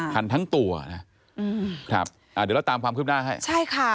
หันทั้งตัวนะอ่ะเดี๋ยวเราตามคลิปหน้าให้ใช่ค่ะ